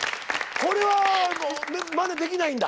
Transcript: これはもうまねできないんだ？